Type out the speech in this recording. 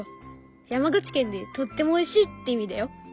山口県で「とってもおいしい」って意味だよ。